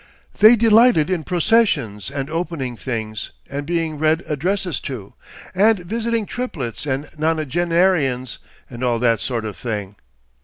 They delighted in processions and opening things and being read addresses to, and visiting triplets and nonagenarians and all that sort of thing.